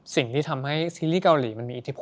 สิ่งที่ทำให้ซีรีส์เกาหลีมันมีอิทธิพล